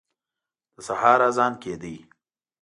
د سهار اذان کېده.